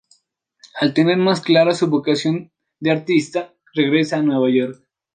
Al tener más clara su vocación de artista, regresa a Nueva York.